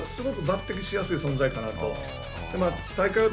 だから、すごく抜てきしやすい存在かなと。